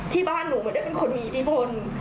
ที่บ้านหนูไม่ได้เป็นคนมีอิทธิพล